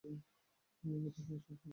এটা কী আসল হাতি?